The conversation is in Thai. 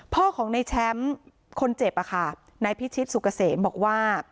พ่อของในแชมป์คนเจ็บอะค่ะนายพิชิตสุกเกษมบอกว่า